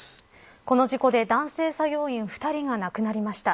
この事故で男性作業員２人が亡くなりました。